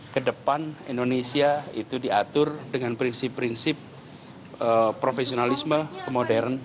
ke depan indonesia itu diatur dengan prinsip prinsip profesionalisme ke modern